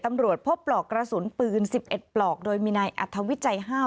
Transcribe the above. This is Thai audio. ตำรวจพบปลอกกระสุนปืน๑๑ปลอกโดยมีนายอัธวิจัยห้าว